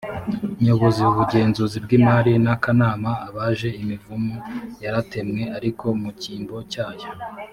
nyobozi ubugenzuzi bw imari n akanama abaje imivumu yaratemwe ariko mu cyimbo cyayo